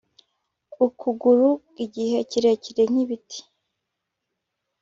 ukuguru igihe kirekire nk'ibiti